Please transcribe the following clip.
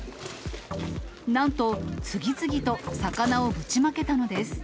なんと、次々と魚をぶちまけたのです。